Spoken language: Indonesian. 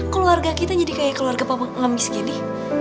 keluarga kita jadi kayak keluarga papa ngamis gini